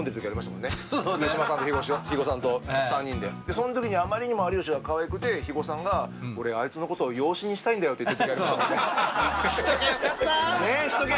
その時にはあまりにも有吉が可愛くて肥後さんが、俺、あいつのことを養子にしたいんだよって言って。